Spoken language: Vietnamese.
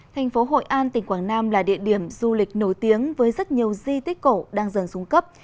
thành phố hội an tỉnh quảng nam là địa điểm du lịch nổi tiếng với rất nhiều di tích cổ đang dần xuống cấp